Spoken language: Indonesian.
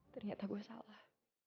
ternyata gua salah